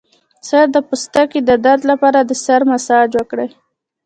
د سر د پوستکي د درد لپاره د سر مساج وکړئ